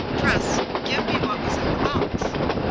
" Tress, give me what was in the box."